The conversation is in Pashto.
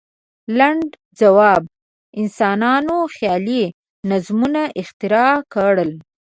لنډ ځواب: انسانانو خیالي نظمونه اختراع کړل.